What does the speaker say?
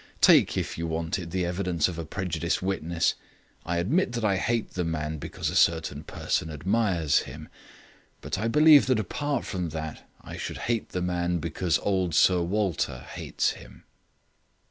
Take, if you want it, the evidence of a prejudiced witness. I admit that I hate the man because a certain person admires him. But I believe that apart from that I should hate the man because old Sir Walter hates him."